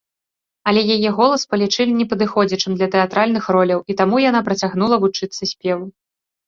Але яе голас палічылі непадыходзячым для тэатральных роляў, і таму яна працягнула вучыцца спеву.